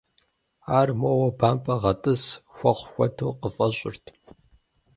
Ар моуэ бампӏэ гъэтӏыс хуэхъу хуэдэу къыфӏэщӏырт.